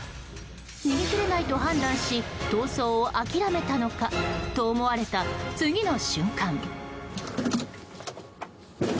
逃げ切れないと判断し逃走を諦めたのかと、思われた次の瞬間。